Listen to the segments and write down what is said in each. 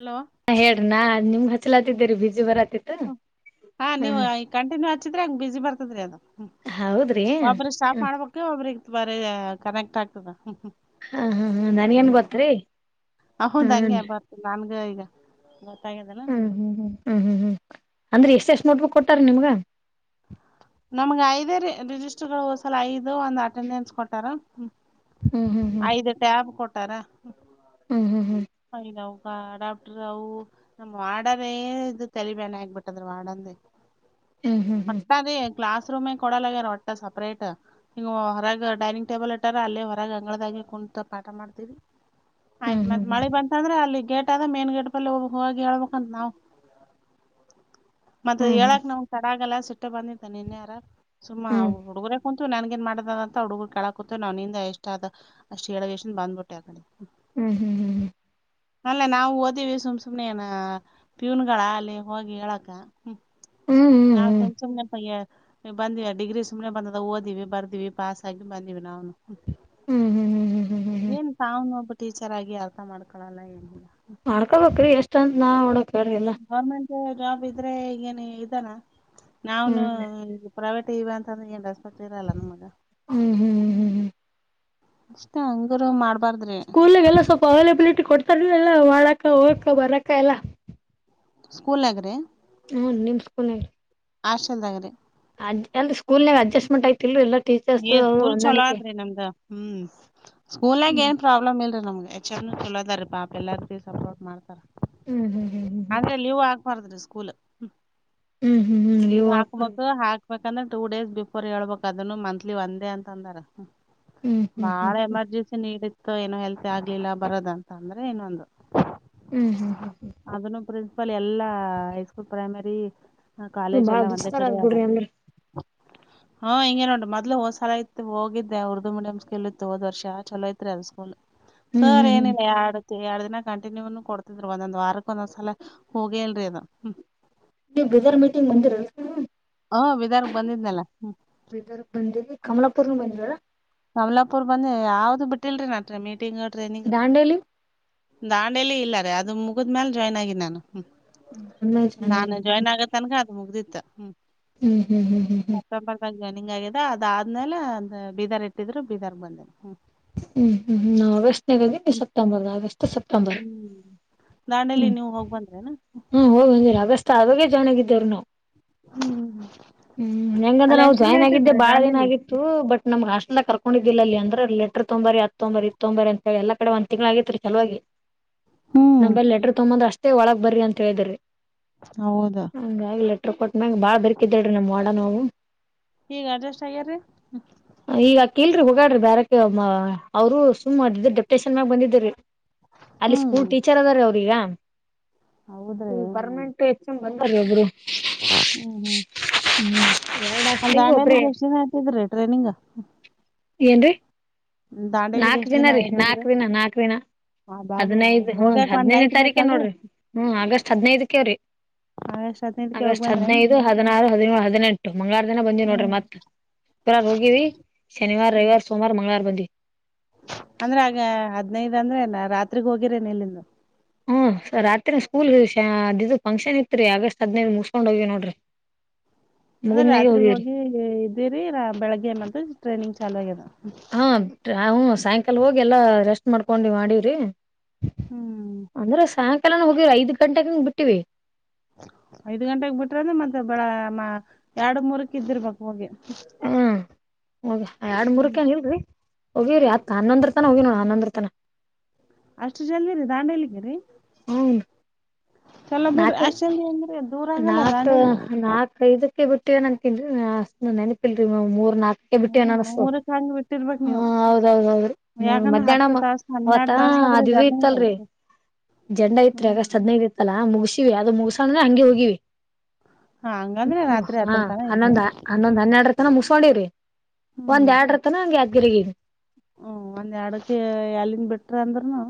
Hello ಹೇಳ್ರಿ ನಾ ನಿಮ್ಗೆ ಹಚ್ಚಲಾತಿದ್ದೀರಿ ಬಿಜಿ ಬರತ್ತ ಹ ಹಾ ನೀವು ಕಂಟಿನ್ಯೂ ಹಚ್ಚಿದ್ರೆ ಹಂಗ ಬಿಜಿ ಬರ್ತದ್ರೀ ಅದು ಹ ಹೌದ್ರಿ ಒಬ್ರ ಸ್ಟಾಪ್ ಹ್ಮ ಮಾಡಬೇಕು ಒಬ್ಬರಿಗಿ ಕನೆಕ್ಟ್ ಆಗ್ತದ ಹ್ಮ್ ಹ್ಮ್ ಹಾ ಹಾ ಹಾ ನನ್ಗೇನ್ ಹ್ಮ್ ಗೊತ್ರಿ ಅ ಹೌದ್ ಹ್ಮ್ ಹಂಗೆ ಬರ್ತ ನನ್ಗ [inaudible] ಹ್ಮ್ ಹ್ಮ್ ಹ್ಮ್ ಹ್ಮ್ ಹ್ಮ್ ಹ್ಮ್ ಅಂದ್ರೆ ಎಷ್ಟ ಎಷ್ಟ ನೋಟ ಬುಕ್ ಕೊಟ್ಟಾರ ನಿಮ್ಗ ನಮ್ಗೆ ಐದೇ ರಿಜಿಸ್ಟರ್ ಗಳು ಹೋದ ಸಲ ಐದು ಒಂದ್ ಅಟೆಂಡೆನ್ಸ್ ಕೊಟ್ಟಾರ ಹ್ಮ್ ಐದು ಟ್ಯಾಬ್ ಕೊಟ್ಟರ ಹ್ಮ್ ಹ್ಮ್ ಹ್ಮ್ ಡಾಕ್ಟ್ರ ಅವು ನಮ್ ಮಾಡರೇ ಇ ತರಿಬಾನ ಆಗ್ಬಿಟ್ಟದ್ರ ಮಾಡಡಂದ ಹ್ಮ್ ಹ್ಮ್ ಹ್ಮ್ ಮತ್ತ ಅದೇ ಕ್ಲಾಸ್ ರೂಮ್ ಕೊಡಲ್ಲಗ್ಯಾರ ಒಟ್ಟ ಸಪ್ರೇಟ್ ಹ್ ಹೊರಗ್ ಡೈನಿಂಗ್ ಟೇಬಲ್ ಇಟ್ಟಾರ ಅಲ್ಲೇ ಹೊರಗ ಅಂಗಳದಾಗಿ ಕುಂತಾ ಪಾಠ ಮಾಡ್ತೀವಿ ಹ್ಮ್ ಹ್ಮ್ ಹ್ಮ್ ಹ್ಮ್ ಹ್ಮ್ ಹ್ಮ್ ಆಯ್ತ್ ಹ್ಮ್ ಮತ್ ಹ್ಮ್ ಹ್ಮ್ ಮಳೆ ಬಂತ ಅಂದ್ರೆ ಅಲ್ಲಿ ಗೇಟ್ ಅದ ಮೇನ್ ಗೇಟ್ ಬಲ್ಲಿ ಹೋಗ್ಬೇಕು ಹಿ ಹೇಳ್ಬೇಕಂತ ನಾವವು ಮತ್ತ ಹ್ಮ್ ಹ್ಮ್ ಹೇಳಕ್ ನಾವ್ ತಡ ಆಗಲ್ಲ ಸಿಟ್ಟ ಬಂದಿತ್ತ ನಿನ್ನೆಾರ ಸುಮ್ಮಾ ಹ್ಮ್ ಹುಡುಗರ ಕು ನನಗ ಏನ್ ಮಾಡದ ಅಂತ ಹುಡುಗರ ಕೇಳಾಕತು ನಂದ ಎಷ್ಟ ಆದ ಅಷ್ಟ್ ಹೇಳದ ಎಷ್ಟನ್ ಬಂದ್ಬಿಟ್ಟೆ ಆಡೆ ಹ್ಮ್ ಹ್ಮ್ ಹ್ಮ್ ಹ್ಮ ಅಲ್ಲ ನಾವು ಓದಿವವಿ ಸುಮ್ ಸುಮ್ನೆನ ಪೀವನ್ಗಳ ಅಲ್ಲಿ ಹೋಗಿ ಹೇಳಕ್ಕ ಹ್ಮ ಹ್ಮ್ ಹ್ಮ್ ಹ್ಮ್ ನಾವು ಹ್ಮ್ ಸುಮ್ಮ್ ಸುಮನೆ ಪಯ್ಯಾರ್ ಬಂದಿವ ಡಿಗ್ರಿ ಸುಮನೆ ಬಂದದ ಓದಿವವಿ ಬರ್ದಿವವಿ ಪಾಸ್ ಆಗಿ ಬಂದಿವವಿ ನಾನು ಏನ್ ತಾವನ್ ಒಬ್ಬ ಟೀಚರ್ ಆಗಿ ಅರ್ಥ ಮಾಡ್ಕೊಳಲ್ಲ ಏನಿಲ್ಲ ಮಾಡ್ಕೋಬ್ರಿ ಎಷ್ಟಂತ ನಾ ನಡಕ್ರ ಎಲ್ಲ ಗೌರ್ಮೆಂಟ್ ಜಾಬ್ ಇದ್ರೆ ಈಗಏನ್ ಇದಲ್ಲ ನಾವ್ನು ಹ್ಮ್ ಈ ಪ್ರೈವೇಟ್ ಇವ ಅಂತಂದ್ರೆ ಏನ್ ಹೊತ್ತರ ಅಲ್ಲ ನ ಮಗ ಹ್ಮ್ ಹ್ಮ್ ಹ್ಮ್ ಹ್ಮ್ ಅಷ್ಟ ಅಂಗರು ಮಾಡ್ ಸ್ಕೂಲ್ಗೆಲ್ಲ ಸ್ವಲ್ಪ ಅವೈಲಬಿಲಿಟಿ ಕೊಡ್ತಾರ ಎಲ್ಲ ಮಾಡಾಕ ಹೋಗಕ್ಕ ಬರಕ್ಕ ಎಲ್ಲ ಸ್ಕೂಲ್ ಆಗ್ರಿ ಹ್ಮ ನಿಮಸ್ಕನ ಹೇಳ ಆಶಲ್ದಗರೆ ಅ ಅಲ್ಲಿ ಸ್ಕೂಲ್ ನಾಗ ಅಜಸ್್ಮೆಂಟ್ ಆಯ್ತಿಲ್ ಎಲ್ಲ ಏ ಸ್ಕೂಲ್ ಚಲೋ ಆದ್ರಿ ನಮ್ದ ಹ್ಮ್ ಸ್ಕೂಲ್ಾಗ ಹ್ಮ್ ಏನ್ ಪ್ರಾಬ್ಲಮ್ ಇಲ್ರಿ ನಮ್ಗ ಚ ಚಲೋದಾರಿೀ ಪಾಪ ಎಲ್ಲಾರ ಭೀ ಸಪೋರ್ಟ್ ಮಾಡ್ತಾರ ಹ್ಮ್ ಹ್ಮ್ ಹ್ಮ್ ಹ್ಮ್ ಹ್ಮ್ ಆದ್ರೆ ನೀವು ಆ ಬರ್ದ್ರಿ ಸ್ಕೂಲ್ ಹ್ಮ್ ಹ್ಮ್ ಹ್ಮ್ ನೀವ ನೀವು ಹಾಕೊಂಬ ಹಾಕ್ಬಾರ ಹಾಕ್ ಹೇಕಂದ್ರೆ ಟೂ ಡೇಸ್ ಬಿಫೋರ್ ಹೇಳ್ಬೇಕಕ್ ಅದನ್ನು ಮಂತ್ಲಿ ಒನ್ ೇ ಅಂದಾರ ಹ್ಮ್ ಹ್ಮ್ ಬಾಳ ಹ್ಮ್ ಹ್ಮ್ ಎಮರ್ಜೆನ್ಸಿ ನೀಡಿತ್ತು ಏನೋ ಹೆಲ್ತಿ ಆಗ್ಲಿಲ್ಲ ಬರೋದ ಅಂತ ಅಂದ್ರೆ ಇನ್ನೊಂದು ಹ್ಮ್ ಹ್ಮ್ ಹ್ಮ್ ಹ್ಮ್ ಪಲ್ಲಿ ಎಲ್ಲಾ ಹೈಸ್ಕೂಲ್ ಪ್ರೈಮರಿ ಹ್ಮ್ ಕಾಲೇಜ್ ಬಾಳ ಎಲ್ಲಾ ಒಂದೇ ದುಸ್ತಾರ ಕಡೆ ಆದ್ ಬಿಡ್ರಿ ಅಂದ್ರ. ಹಾ ಇಂಗ ನೋಟ ಮ ಇ ಹೋಸಲ ಇತ್ತು ಹೋಗಿದ್ದೆ ಉರ್ದು ಮೀಯಂ ಸ್ಕೂಲ್ ಇತ್ತು ಹೋದ ವರ್ಷ ಚಲೋ ಐತ್ರಿ ಅದ ಸ್ಕೂಲ್ ಹ್ಮ್ ಹ್ಮ್ ಸರಿ ಹ್ಮ್ ಏನಿಲ್ಲ ಯಾಡು ಎರಡ್ ದಿನ ಕಂಟಿನ್ಯೂನು ಕೊಡ್ತಿದ್ ಒಂದೊಂದ್ ವಾರಕ್ ಒಂದೊಂದ್ಸಲ ಹೋಗಿಲ್ರಿ ಅದು ಹ್ಮ್ ನೀ ಬಜಾರ ಮೀಟಿಂಗ್ ಬಂದಿರ ಹ ಬಿದಾರ್ಗ್ ಬಂದಿದ್ನಲ್ಲ ಹ್ಮ ಕಮಲಪುರ್ ಬಂದಾ ನಮಲಾಪುರ್ ಬಂದ ಯಾವ್ದು ಬಿಟ್ಟಿಲ್ರಿ ನಟೆ ಮೀಟಿಂಗ್ ಹೊಡ್ರಿ ನಿಂಗ ದಾಂಡೇಲಿ ದಾಂಡೇಲಿ ಇಲ್ಲಾರೆ ಅದು ಮುಗಿದ್ಮೇಲ ಜಾಯ್ನ್ ಆಗಿದ್ದ ನಾನು ಹ್ಮ್ ಚೆನ್ನಾಗಿ ಹ್ಮ್ ನಾಜಾಯಿನ್ ಆಗತ್ತನ್ಗ ಅದ ಮುಗ್ದಿತ್ತ ಹ್ಮ ಹ್ಮ್ ಹ್ಮ್ ಹ್ಮ್ ಹ್ಮ್ ಹ್ಮ್ ಈ ಹಂಗ ಆಗಿದೆ ಅದ ಆದ್ಮೇಲೆ ಅಂದ ಬೀದಾರ್ ಇಟ್ಟಿದ್ರು ಬೀದರ್ ಬಂದೇನೆ ಹ್ಮ್ ಹ್ಮ್ ಹ್ಮಾ ಆಸ್ಟ್ನಗಿ ಸೆಪ್ಟೆಂಬರ್ದ ಆಗಸ್ಟ್ ಸೆಪ್ಟಂಬರ್ ಹ್ಮ್ ದಾಂಡೇಲಿ ಹ್ಮ ನೀವು ಹೋಗ್ ಬಂದ್ರೇನ ಹ್ಮ ಹೋಗಂದ ಆಗಸ್ ಆಾಗೇ ಚೆನ್ನಾಗಿದ್ದ್ರು ನಾವು ಹ್ಮ್ ಹ್ಮ್ ಹೆಂಗಂದ್ರೆ ಅಲ್ಲಿ ನಾವು ಎಷ್ಟ್ ದಿನ ಜಾಯ್ನ್ ಆಗಿದ್ದೆ ಇರ್ತಿದ್ರಿ ಬಾಳ ದಿನ ದಾಂಡೇಲಿ ಆಗಿತ್ತು ಬಟ್ ನಮ್ಗ್ ಅಷ್ಟ ಎಲ್ಲ ಕರ್ಕೊಂಡಿದ್ದಿಲ್ಲ ಅಲ್ಲಿ ಅಂದ್ರೆ ಎ ತೊಂಬರಿ ಹತ್ತೊಂಬರಿ ಇತ್ತೊಂಬರಿ ಅಂತೇಳಿ ಎಲ್ಲ ಕಡೆ ಒಂದ್ ತಿಂಗಳ ಆಗಿತ್ರಿ ಚಲುವಾಗಿ ಹ್ಮ್ ನಮ ಲೆಟ್ರ ತೊಂಬಂದ್ರ ಅಷ್ಟೇ ಒಳಗ್ ಬರ್ರಿ ಅಂತ ಹೇಳಿದ್ರಿ ಹೌದಾ ಹಂಗಲೆ ಕೊಟ್ಟ ಮ್ಯಾಗ ಬಾಳ ಬರ್ಕಿದೇರೀ ನಮ್ ವಡ ನೋವು ಈಗ ಅಡ್ಜಸ್ಟ್ ಆಗ್ಯಾರ್ರಿ ಹಗಾಡ್ರಿ ಬಾರಕ ಅವರು ಸುಮ್ಮ ಅದ ಡೆಪ್ಟೇಷನ್ ಮಾಗ ಬಂದಿದ್ದ ರೀ ಅಲ್ಲಿ ಹ್ಮ್ ಸ್ಕೂಲ್ ಟೀಚರ್ ಅದ ರೀ ಅವ್ರೀಗ ಹೌದ್ರಿ ಈ ಹ್ಮ್ ಪರ್ಮನೆಂಟ್ ಹೆಚ್ಚ್ ಬಂದಾರ ಒಬ್ರು ಹ್ಮ್ ಹ್ಮ್ ಹ್ಮ್ ಎರಡ್ ಅ ಹಾಸ್ಟೆಲಿಗೂ ದಾಂಡಲಿ ಒಬ್ರೇ ಜರ್ಸಿನ ಆತಿದ್ರಿ ಟ್ರೈನಿಂಗ್ ಏನ್ರೀ ದಾಂಡೇಲಿಗ್ ನಾಲ್ಕು ಎಷ್ಟ್ ದಿನ ರೀ ಆಯ್ತಿದ್ರಿ ನಾಲ್ಕು ದಿನ ನಾಲ್ಕು ದಿನ ಹ ಬಾಬಾ ಹದನೈದು ಹ್ಮರಿ ಹೋಗ್ಯಾಕ್ ಒಂದ್ ಹದನೈನೇ ನೈಟ್ ತಾರೀಖೆ ಬೇಕಲ್ರರಿ ನೋಡ್ರಿ ಹ್ಮ್ ಆಗಸ್ಟ್ ಹದ್ನೈದಕವ್ರೀ ಆಗಸ್ಟ್ ಹದ್ನೈದಕ್ಕೆ ಹೋಗ್ ಆಗಸ್ಟ್ ಬಂದ್ರೇನ್ ಹದ್ನೈದು ಹದಿನಾರು ಹದಿನ ಹದಿನೆಂಟು ಮಂಗಾರ ದಿನ ಬಂದಿವವಿ ನೋಡ್ರಿ ಹ್ಮ್ ಮತ್ತತ್ ಇರಾರ ಹೋಗಿವಿ ಶನಿವಾರ ರವಿವಾರ ಸೋಮವಾರ ಮಂಗಳವಾರ ಬಂದಿ ಅಂದ್ರೆ ಆಗ ಹದ್ನೈದ ಅಂದ್ರೆ ನ ರಾತ್ರಿಗ್ ಹೋಗಿರೇ ನಿ ಇಲ್ಲಿಂದು ಹ್ಮ್ ಸ ರಾತ್ರಿ ಸ್ಕೂಲ್ ಅದ ಫಂಕ್ಷನ್ ಇತ್ರಿ ಆಗಸ್ಟ್ ಹದ್ದ್ ಮುಸ್ಕೊಂಡ್ ಹೋಗಿವಿ ನೋಡ್ರಿ [unintelligible] ಅಂದ್ರೆ ಮುಗಿದ್ಮ್ಯಾಗೆ ರಾತ್ರಿ ಹೋಗಿವ್ರಿ ಹೋಗಿ ಇದ್ದಿರಿ ಬೆಳಗ್ಗೆ ಮಂತ ಟ್ರೈನಿಂಗ್ ಚಾಲುವ ಆಗ್ಯದ ಹಾ ಹ ಸಾಯಂಕಾಲ ಹೋಗಿ ಎಲ್ಲಾ ರೆಸ್ಟ್ ಮಾಡ್ಕೊಂಡಿವ ಮಾಡೀವ್ರಿ ಹ್ಮ್ ಅಂದ್ರೆ ಸಾಯಂಕಾಲನ ಹೋಗಿರ ಐದ್ ಗಂಟೆೆಗೆಂಗ ಬಿಟ್ಟಿವವಿ ಐದ್ ಗಂಟೆೆಗೆ ಬಿಟ್ರ ಅಂದ್ರೆ ಮತ್ತೆ ಬಾಳ ಎರಡು ಮೂರಕ್ ಇದಿರ್ಬೇಕಕ್ ಹೋಗಿ ಹ್ಮ ಹೋಗ ಎರಡ್ ಹ್ಮ್ ಮೂರಕೇನ್ ಇಲ್ರಿ ಹೋಗಿವಿ ಆತ್ ಹನ್ನೊಂದ್ರ ಹೋಗಿ ನೋಣ ನನ್ನಂದ್ರತನ ಅಷ್ಟು ಜಲ್ದಿರಿ ದಾಂಡೇಲಿಗೆ ರರಿ ಹನ್ ಚಲೋ ಬಿಡ್ರಿ ಅಷ್ಟಲ್ಲಿ ಅಂದ್ರೆ ದೂರ ಆಗಲ್ಲ ನಾಕ್ ದಾಂಡೇಲಿ ನಾಕ ಐದಕ್ಕೆ ಬಿಟ್ಟೆ ನನ್ ತಿನ್ ನೆನಪಿಲ್ರರಿ ಮೂರ್ ನಾಕ ಬಿಟ್ಟು ಹ್ಮ್ ಅನತು ನೂರಕ್ ಹಂಗ್ ಬಿಟ್ಟಿರ್ಬೇಕ್ ಹ ನೀವು ಹೌದ್ದೌದು ಮೂ ಯಾಕಂದ್ರೆ ಮಧ್ಯಾಹ್ನ ಹತ್ತು ಅವ ತಾಸ ಹನ್ನೆರಡ್ ಹ ತಾಸ ಆದ್ರೆ ಅದ ಜರ್ನಿ ಇದೆ ಇತ್ತಲ್ರರಿ ಜಂಡ ಐತ್ರಿ ಹ್ಮ್ ಅಗಸ್ಟ್ ಹದ್ನೈದು ಇತ್ತಲ್ಲ ಮುಗ ವವಿ ಅದು ಮುಗಸಣ್ರೆ ಹಂಗೆ ಹೋಗಿವಿ ಹಾ ಹಂಗಂದ್ರೆ ರಾತ್ರಿ ಹಾ ಹತ್ತರ ತನ ಹನ್ನೊಂದ್ ಇದ್ದೀರಿ ಹನ್ನೊಂದ್ ಹನ್ನೆರರ ತನ ಮುಸ್ಕೊಂಡಿವ್ರಿ ಒಂದ್ ಎರಡ್ ರತನ ಹಂಗೆ ಅದ್ಗಿಗ ಹ್ಮ ಒಂದ್ ಎರಡಕ್ಕೆ ಎಲ್ಲಿನ್ ಬಿಟ್ರ ಅಂದ್ರರುನು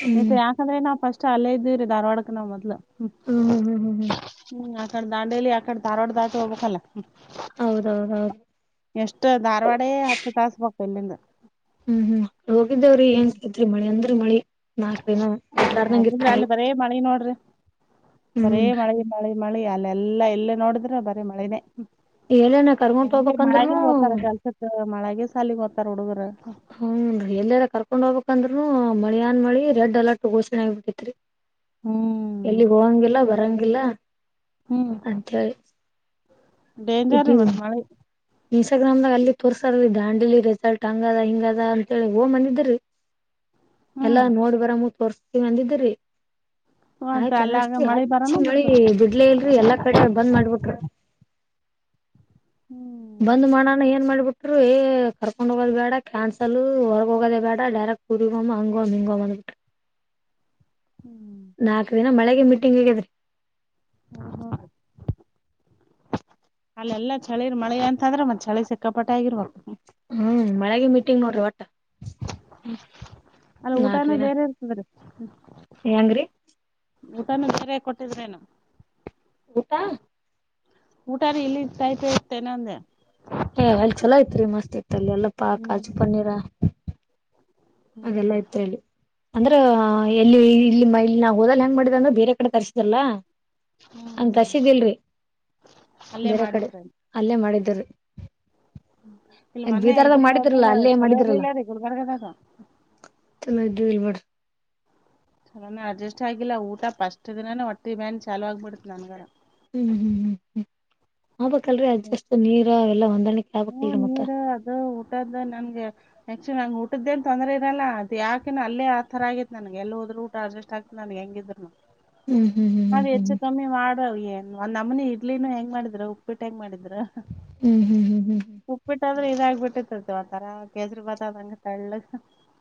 ಹ್ಮ್ ಮತ್ತ ಯಾಕಂದ್ರೆ ನಾವ ಫಸ್ಟ್ ಚಾಲೆ ಇದೀವಿ ರೀ ಧಾರ್ವಾಡಕ ನ ಮೊದ್ಲು ಹ್ಮ ಹ್ಮ್ ಹ್ಮ್ ಹ್ಮ್ ಹ್ಮ್ ಹ್ಮ್ ಹ್ಮ್ ಆಕ ದಾಂಡೇಲಿ ಆಕಡೆ ದಾರ್ವಾಡ್ ದಾತ ಹೋಗ್ಬೇಕಲ್ಲ ಹ್ ಹೌದೌದೌದು ಎಷ್ಟ ಧಾರವಾಡೆ ಹತ್ತ ತಾಸ ಹೊಕ್ಕೆನ್ ಇಲ್ಲಿಂದ. ಹ್ಮ್ ಹ್ಮ್ ಹೋಗಿದೇವ್ರಿ ಏನ್ ಆಕೈತ್ರಿ ಮಳೆ ಅಂದ್ರರ ಮಳಿ. ನಾಲ್ಕ ದಿನ ಬಿಡ್ಲರ್ದಂಗ್ ಆಗುದ್ರ ಇರ್ತಿ. ಅಲ್ಲಿ ಬರೇ ಮಳಿ ನೋಡ್ರಿ ಬರೇ ಮಳಿ ಮಳಿ ಮಳಿ ಅಲ್ಲೆಲ್ಲಾ ಇಲ್ಲೇ ನೋಡಿದ್ರು ಬರೀ ಮಳೆನೇ. ಹ್ ಎಲ್ಲನ ಕರ್ಕೊಂಡ್ ಅಲ್ಲಿ ಮಳ್ಯಗೆ ಹೋಗ್ಬೇಕಂದ್ರನು ಹೊತಾರ ಕೆಲ್ಸಕ ಮಳ್ಯಾಗೆ ಸಾಲಿಗಿ ಹೋಗ್ತಾರ ಹುಡುಗುರ. ಹ್ಮ್ ನ್ರಿ ಎಲ್ಲೆರಾ ಕರ್ಕೊಂಡ್ ಹೋಗ್ಬೇಕಂದ್ರುನು ಮಳಿಯಾನ್ ಮಳಿ ರೆಡ್ ಅಲರ್ಟ್ ಘೋಷಣೆ ಆಗ ಬಿಟ್ಟಿತ್ರಿ. ಹ್ಮ್ ಎಲ್ಲಿಗ್ ಹೋಗಂಗಿಲ್ಲ ಬರಂಗಿಲ್ಲ. ಹ್ಮ್ ಅಂತ ಹೇಳಿ ಡೇಂಜರ್ ಮತ್ ಮಳಿ. ಇನ್ಸ್ಟಾಗ್ರಾಮ್ ದಾಗ್ ಅಲ್ಲಿ ತೋರ್ಸಲ್ ದಾಂಡಲಿ ರೆಸಾರ್ಟ್ ಹಂಗ ಅದ ಹಿಂಗ ಅದ ಅಂತೇಳಿ ಹೋಗ್ ಬಂದಿದಿರಿ. ಎಲ್ಲಾ ಹ್ಮ್ ನೋಡ್ ಬರಾಮು ತೋರ್ಸ್ತೀವಿ ಅಂದಿದ್ದೀರಿ. ಮತ್ತ್ ಆಯ್ತ ಅಲ್ಯಾಗ ಅನಷ್ಟಿ ಮಳಿ ಹಚ್ಚಿ ಬರನು ಬಿಟ್ ಮಳಿ ಬಿಡ್ತಾನ ಬಿಡ್ಲೆ ಇಲ್ರಿ ಎಲ್ಲಾ ಕಡೆ ಬಂದ್ ಮಾಡ್ಬಿಟ್ರು. ಹ್ಮ್ ಬಂದ್ ಮಾಡಣ ಏನ್ ಮಾಡ್ಬಿಟ್ರು ಏ ಕರ್ಕೊಂಡ್ ಹೋಗೋದ ಬ್ಯಾಡ ಕ್ಯಾನ್ಸಲ್ ಹೊರಗ ಹೋಗದೇ ಬ್ಯಾಡ ಡ್ಯಾ ಹ್ ಉರಿಗ್ ಹೋಗಮಾ ಹಾಂಗೋಮ್ ಹಿಂಗೊಮ್ ಅಂದ್ ಬಿಟ್ರ. ಹ್ಮ್ ನಾಕ್ ದಿನ ಮಳ್ಯಗೆ ಮೀಟಿಂಗ್ ಆಗ್ಯಾದ್ರಿ. ಹಾ ಹಾ ಅಲ್ಲೆಲ್ಲಾ ಚಳಿರಿ ಮಳೆ ಅಂತಂದ್ರ ಮತ್ತ ಚಳಿ ಸಿಕ್ಕಾಪಟ್ಟೆ ಆಗಿರ್ಬೇಕ. ಹ್ಮ್ ಮಳ್ಯಗೆ ಮೀಟಿಂಗ್ ನೋಡ್ರಿ ಒಟ್ಟ. ಅಲ್ ನಾಲ್ಕ್ ಊಟಾನೂ ದಿನ ಬೇರೆ ಇರ್ತದ್ರಿ. ಹೆಂಗ್ರೀ. ಊಟಾನು ಸರ್ಯಾಗ್ ಕೊಟ್ಟಿದ್ರೇನೋ. ಊಟಾ ಊಟಾದ ಇಲ್ಲಿ ಟೈಪೆ ಇತ್ತೆನಂದೇ. ಏ ಅಲ್ ಚಲೋ ಇತ್ರಿ ಮಸ್ತ್ ಇತ್ ಅಲ್ಲೆಲ್ಲಾ ಪ್ಪಾ ಕಾಜು ಹ್ಮ್ ಪನ್ನೀರ ಹ್ಮ್ ಅದೆಲ್ಲಾ ಇತ್ರಿ ಅಲ್ಲಿ ಅಂದ್ರ ಎಲ್ಲಿ ಇಲ್ಲಿ ಇಲ್ಲಿ ನಾವು ಹೋದಲ್ ಹೆಂಗ ಮಾಡಿದ ಅಂದ್ರ ಬೇರೆ ಕಡೆ ತರಿಸಿದಲ್ಲ. ಹಂಗ ಹ್ಮ್ ತರ್ಸಿದೀಲ್ರಿ ಅಲ್ಲೇ ಬೇರೆ ಕಡೆ ಮಾಡಿದ್ರೇನ್ ಅಲ್ಲೇ ಮಾಡಿದ ತರ್ರಿ. ಇಲ್ಲ ಮೊನ್ನೆ ಇದಕ್ಕ ಮಾಡಿದ್ರಲ್ಲ ಹೋದಾಗ ಅಲ್ಲೇ ಚಲೋ ಮಾಡಿದ್ರಲ್ಲ ಇರ್ಲಿಲ್ಲರಿ ಗುಲ್ಬರ್ಗದಾಗ. ಚಲೋ ಇದ್ದಿದ್ದಿಲ್ಲ ಬಿಡ್ರಿ. ಚಲೋನೆ ಅಡ್ಜಸ್ಟ್ ಆಗಿಲ್ಲ ಊಟ ಫಸ್ಟ್ ದಿನಾನೆ ಹೊಟ್ಟಿ ಬ್ಯಾನ್ ಚಾಲೂ ಆಗ್ಬಿಡತ್ ನನ್ಗಾರ. ಹ್ಮ್ ಹ್ಮ್ ಹ್ಮ್ ಹ್ಮ್ ಆಬೆಕಲ್ರಿ ಅಡ್ಜಸ್ಟ್ ನೀರ ಅವೆಲ್ಲಾ ಹೊ ಹ್ಮ ನೀರ ಅದ ಊಟದ ನಮ್ಗೆ. ಆಕ್ಚುಲಿ ನಂಗ್ ಊಟದ ಎನ್ ತೊಂದ್ರೆ ಇರಲ್ಲ ಆದ್ ಯಾಕೆನೋ ಅಲ್ಲೇ ಆ ತರ ಆಗಿತ್ತು ನನ್ಗೆ ಎಲ್ಲ ಹೋದ್ರು ಊಟ ಅಡ್ಜಸ್ಟ್ ಆಗ್ತದ ನನ್ಗೆ. ಹೆಂಗಿದ್ರುನು. ಹ್ಮ್ ಹ್ಮ್ ಹ್ಮ್ ನಾವ್ ಹ್ಮ್ ಹೆಚ್ಚು ಕಮ್ಮಿ ಮಾಡ್ರ್ ಎನ್ ನಮ್ಮನಿ ಇಡ್ಲಿನೂ ಹೆಂಗ್ ಮಾಡಿದ್ರ ಉಪ್ಪಿಟ್ಟ ಹೆಂಗ ಮಾಡಿದ್ರ. ಹ್ಮ್ ಹ್ಮ್ ಹ್ಮ್ ಹ್ಮ್ ಹ್ಮ್ ಎಸ್ಟದ್ರ ಇದಾಗ ಬಿಟ್ಟಿತಲ್ಲಿ ಒಂಥರ ಕೇಸ್ರಿ ಬಾತ್ ಆದಂಗ ತೆಳ್ಳಗ.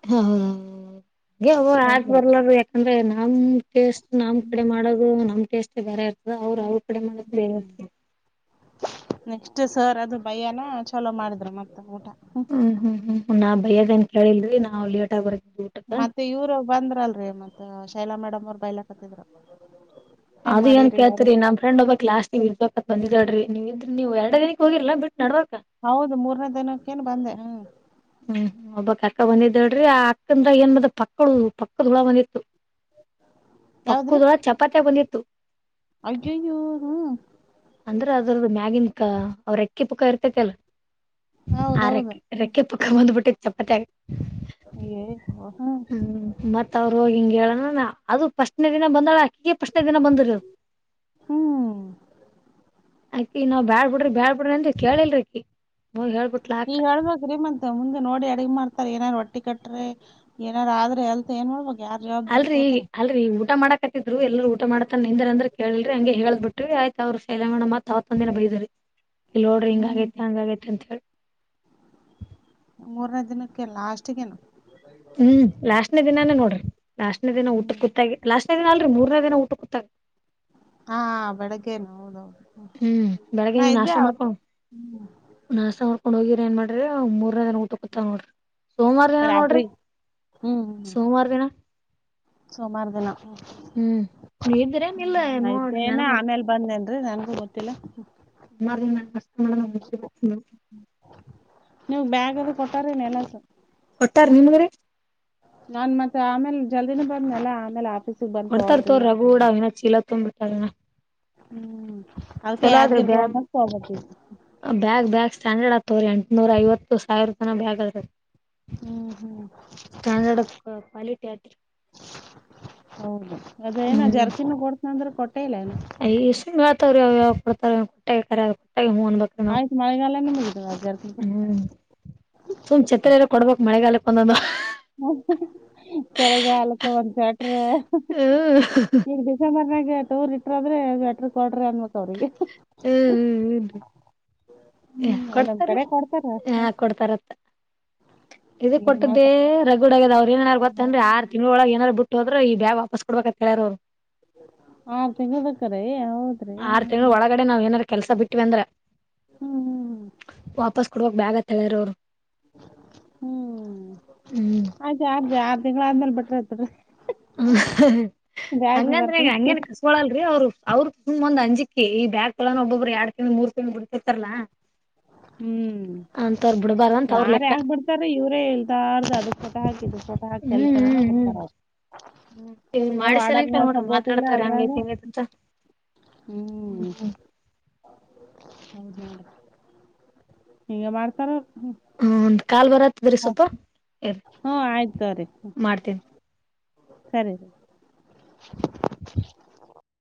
ಹ ಹೌದ ಹೌದು ಗೆ ಅವು ಆಗ್ ಹೆಂಗರ ಬರ್ಲಾಅದು ಯಾಕಂದ್ರೆ ನಮ್ ಟೇಸ್ಟ್ ನಮ್ ಕಡೆ ಹ್ಮ್ ಮಾಡದು ನಮ್ ಟೇಸ್ಟೇ ಬ್ಯಾರೆ ಇರ್ತದ. ಅವ್ರ ಅವ್ರ ಕಡೆ ಮಾಡಿದ್ ಬೇರೆ ಇರ್ತಾದ್ರಿ. ನೆಕ್ಸ್ಟ್ ಸರ್ ಅದು ಬೈಯಾನ ಚಲೋ ಮಾಡಿದ್ರ ಮತ್ತ ಊಟ. ಹ್ಮ ಹ್ಮ್ ಹ್ಮ್ ಹ್ಮ್ ನಾ ಬೈಯಾದೇನ್ ಕೇಳಿಲ್ರಿ ನಾವ್ ಲೇಟ್ ಆಗ್ ಬರ್ ಮತ್ತ ಇವ್ರು ಬಂದ್ರಲ್ರರಿ ಮತ್ತ ಶೈಲಾ ಮೇಡಮ್ ಅವ್ರು ಬೈಲಕತ್ತಿದ್ರು. ಅದು ಏನ್ ಕೇಳ್ತ್ರಿ ನಮ ಫ್ರೆಂಡ್ ಒಬ್ಬಾಕಿ ಲಾಸ್ಟ್ಗಿ ಇರ್ಬೇಕತ್ ಬಂದಿದಾಳ್ರೀ ನೀವ್ ಇದ್ರ ನೀವು ಎರಡ ದಿನಿಕ್ಕಿ ಹೋಗಿರ್ಲ ಬಿಟ್ ನಡ್ಬಾರ್ಕ ಹೌದು ಮೂರ್ನೇ ದಿನಕ್ಕೇನ ಬಂದೆ. ಹ್ಮ್ ಹ್ಮ್ ಒಬ್ಬಕ್ ಅಕ್ಕ ಬಂದಿದ್ದಳ್ರಿ ಆ ಅಕ್ಕಂದ್ರ ಏನ್ ಬಿದ್ದತ್ ಪಕ್ಕುಳು ಪಕ್ಕದ ಹುಳ ಬಂದಿತ್ತು. ಯಾವದ್ರಿ ಪಕ್ಕುದುಳ ಚಪಾತ್ಯಾಗ ಬಂದಿತ್ತು. ಅಯ್ಯಯ್ಯೋ ಹ್ಮ್ ಅಂದ್ರ ಅದ್ರ್ದ ಮ್ಯಾಗಿ ಕ ಅವ್ರ ರೆಕ್ಕಿ ಪುಕ್ಕ ಇರ್ತೈತಲ್. ಹೌದೌದು ಹ್ಮ ಪಕ್ಕ ಬಂದ್ಬಿಟ್ಟೆ ಚಾ ಆಗ ಏ ಹ್ಮ್ ಮತ್ ಅವರು ಹೋಗಿಂಗ ಹೇಳಣ ನ ಅದು ಪಶಸ್್ ದಿನ ಬಂದಳ ಅಕ್ಕಿಗೆಶ ಕೆ ದಿನ ಬಂದರ ಹ್ಮ್ ಅಕ್ಕಿ ನಾವ್ ಬ್ಯಾಳ್ ಬಿಡ್ರಿ ಬ್ಯಾಳ್ ಬಿಡ್ರಿ ಅಂತ ಕೇಳಿಲ್ರಿ ಅಕ್ಕಿ ನೀ ಹೇಳ್ಬೇಕ್ರೀ ಮ ಮುಂದೆ ನೋಡಿ ಅಡಗೆ ಮಾಡ್ತಾರೆ ಏನಾದಾರು ಒಟ್ಟಿ ಕಟ್ರಿ ಏನಾರ ಆದ್ರೆ ಅಲ್ತ್ ಏನ್ ಮಾಡ್ಬ ಅಲ್ರರಿ ಅಲ್ರಿ ಊಟ ಮಾಡಕತ್ತಿದ್ರು ಎಲ್ಲರೂ ಊಟ ಮಾಡ್ತನ್ ನಿಂದ್ರ ಅಂದ್ರ ಕೇಳಲ್್ರಿ ಹಂಗೆ ಹೇಳದ್ ಬಿಟ್ರಿ ಆಯ್ತ ಮ ಅವ್ರ ಸೈಲಂಗಣಮ್ಮತ್ತತ್ ಅವತ್ತಂದ ದಿನ ಬರೀರಿ ಇಲ್ಲಿ ನೋಡ್ರಿ ಹಿಂಗ ಹ್ಮ್ ಆಗೈತೆ ಹಂಗ ಆೈತೆ ಅಂತ ಹೇಳಿ [inaudible] ಮೂರನೇ ದಿನಕ್ಕೆಲ್ಲ ಲಾಸ್ಟ್ ೇನು ಹ್ಮ್ ಲಾಸ್ಟ್ನೇ ದಿನಾನೇ ನೋಡ್ರಿ ಲಾಸ್ಟ್ನೇ ದಿನ ಊಟ ಹ್ಮ್ ಕೂುತ್ತಾಗಿ ಲಾಸ್ಟ್ ನಾಲ್ರಿ ಮೂರ್ನೇ ದಿನ ಊಟ ಕೂತ ಹಾ ಬೆಳಗ್ಗೆನ ಹೌದು ಹ್ಮ್ ಬೆಳಗ್ಗೆ ನೀ್ ನಾಶ ಮಾಡ್ಕೊಂಡು ನಾಶ ಮಾಡ್ಕೊಂಡ್ ಹೋಗಿ ಏನ್ ಮಾಡ್ರಿ ಮೂರ್ನದನ ಊು ಕ ಕುೂತ ನೋ್ರಿ ಸೋಮವಾರ ದಿನ ನೋಡ್ರಿ ರಾತ್ರಿ ಸೋಮವಾರ ದಿನ ಸೋಮಾರ ದಿನ ಹ್ಮ್ ನೀವ್ ಇದ್ರೇನ್ ಇಲ್ಲ ಆಯ್ತ ನೋಡ್ರಿ ನ ನೆನಪ್ ಆಮೇಲೆ ಬಂದೆ ಅೆ ನನ್ಗೂ ಗೊತ್ತಿಲ್ಲ ಸುಾರ ನ ನಷ್ಟ ಮಾಡ ನೀವವು ಬ್ಯಾಗ್ ಅದು ಕೊಟ್ಟಾರನೆ ಎಲ್ಲಸ ಹೊಟ್ಟಾರ್ ನೀನ್ ವ ನಾನ್ ಮತ್ತೆ ಆಮೇಲೆ ಜಲ್ದಿನೂ ಬಂದ್ನಲ್ಲ ಆಮೇಲೆ ಆಪೀಸ್ ಕೊಡ್ತಾರ ತೋ್ರ ರಗುಡ ಅವಿನ ಚೀಲ ತುಂಬ್ಬಿಟ್ಟಿನ ಹ್ಮ್ ಅದ್ಕೆ ಚಲೋ ಆದ್ರೆ ಬ್ ಯಾದ್ಗಿರ್ಗ್ ಹೋಗ್ಬೇಕ್ ತಗೋಬೇಕ್ ಈಗ ಬ್ಯಾಗ್ ಬ್ಯಾಗ್ ಸ್ಟ್ಯಾಂಡರ್ಡ್ ಆ ತ್ತ ಎಂಟ್ನೂರ ಐವತ್ತು ಸಾವಿರ ತನ ಬೇಗ ಆರ್ತದೆ ಹ್ಮ್ ಹ್ಮ್ ಸ್ಟಾಂಡಡ್ ಪಾಲಿ ಯೇಟರ್ ಹೌದು ಅದೇಏನ ಜರ್ಸಿನ ಕೊಡ್ಸನಂದ್ರ ಕೊಟ್ಟ ಇಲ್ಲ ಏನ ಯಾವ ಯಾವ ಕೊಡ್ತಾರೆ ಆಯ ಸಮಳೆಗಾಲನು ಮಲ್ದ ಹ್ಮ್ ಸುಮ್ ಛತ್ರೆ ಎರ ಕೊಡ್ಬೇಕಕ್ ಮಳೆಗಾಲಕ್ಕೆ ಒಂದೊಂದು ಚೆರಗ ಅಲಕ್ಕ ಒ ಹ್ಮ್ ಈಗ ಡಿಸೆಂಬರ್ನಾಗ ವ್ರ ಇಟ್ರ ಆದ್ರೆ ಎಟ್ರ ಕೊಡ್ರಿ ಅನ್ಮತ್ ಅವ್ರಿಗೆ ಹ್ಮ್ ಹ್ಮ್ ಹ್ಮದು ಹ ಹ್ಮ್ ಒಂದೊಂದ್ ಕೊಡ್ತಾರೀ ಕಡೆ ಕೊಡ್ತಾರ ಹ ಕೊಡ್ತಾರತ್ತ ಇದು ಏನ್ ಕೊಟ್ಟದ್ದೇ ಮಾಡ್ತಾರ ರಗಡ ಆಗದ ಅವ್ರರು ಏನಾದಾರು ಗೊತ್ತನ್್ರರಿ ಆರು ತಿಂಗಳೊಳಗೆ ಏನಾರು ಬಿಟ್ಟ ಹೋದ್ರ ಈ ಬ್ಯಾ ವಾಪಸ್ ಕೊಬೇಕ ಅಂತ ಹೇಳ್ಯಾರ ಅವರು ಆರ್ ತಿಂಗಬೇಕಕ್ಕ್ರೀ ಹೌದ್ರಿ ಹ ಕಡೆ ನಾವ್ ಏನಾದಾರ ಕೆಲ್ಸ ಬಿಟ್ವಿ ಅಂದ್ರೆ ಹ್ಮ್ ಹ್ಮ್ ವಾಪಸ್ ಕೊಡುವಕ್ ಬ್ಯಾಗತ್ತ ಹೇಳ್ರ ಅವ್ರು ಹ್ಮ್ ಹ್ಮ್ ಆಯ್ ಆಾರ್ ಆರು ತಿಂಗಳ ಆದ್ಮೇಲ್ ಬಿಟ್ರ ಹತರಿೀ ಹ ಹಂಗಂದ್ರ ಬರ್ತದ ಹಂಗೇನ್ ಕಸ್ಕೊಳಲ್ರರಿ ಅವ್ರು ಅವ್ರರು ಸು್ ಒಂದ ಅಂಜಕ್ಕಿ ಈ ಬ್ಯ್ ತೊಳೋ ಒಬ್ಬೊಬ್ಬರು ಎರಡು ತಿಂಡಿ ಮೂರ್ ತಿಂಗಿ ಬಿಡ್ತಿರ್ತಾರಲಾ ಹ್ಮ್ ಅಂತ ಅವ್ರ ಯಾರ ಲೆಕ್ಕ ಯಾಕ ಬಿಡ್ತಾರೆ ಇವ್ರೇ ಇಲ್ತಾರ್ದು ಅದಕ್ ಫೋಟೋ ಹಾಕಿ ಇದಕ್ ಫೋ ಹಾಕಿ ಕಲತನ ಹ್ಮ್ ಬಿಡ್ತಾರ ಅವ್ರು ಇವ್ರ್ ನ ಮಾಡಿಸಲಂಕ ವಾಡರ್ನ ನೋಡ್ರಿ ಸಪೋರ್ಟ್ ಇಲ್ಲ ಮಾತಾಡ್ತಾರ ಅದ್ರಾಗ ಹಂಗೈತಿ ಹಿಂಗೈತಿ ಅಂತ ಹ್ಮ್ ಹೌದು ಹಿಂಗ ಮಾಡ್ತಾರ ಹ್ಮ ಒಂದ್ ಕಾಲ್ ಬರತ್ತದರಿ ಸ್ವಲ್ಪ ಇರಿ ಹ್ಮ ಆಯ್ತ್ರೀ ಮಾಡ್ತೀನಿ ಸರಿ ರ [inaudible]